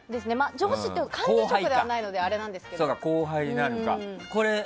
上司っていう管理職ではないのであれなんですけど。